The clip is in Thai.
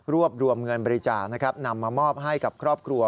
รวบรวมเงินบริจาคนำมามอบให้กับครอบครัว